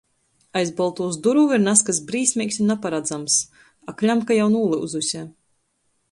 Aiz boltūs durovu ir nazkas brīsmeigs i naparadzams, a kļamka jau nūlyuzuse.